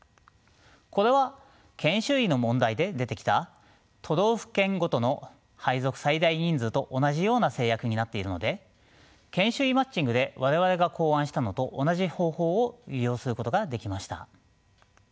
これは研修医の問題で出てきた都道府県ごとの配属最大人数と同じような制約になっているので研修医マッチングで我々が考案したのと同じ方法を利用することができました。